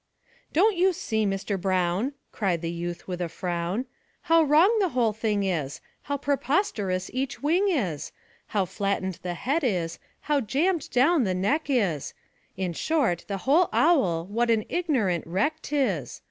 'Don't you see, Mr. Brown,' Cried the youth, with a frown, 'How wrong the whole thing is, How preposterous each wing is, How flattened the head is, how jammed down the neck is In short, the whole owl, what an ignorant wreck 't is!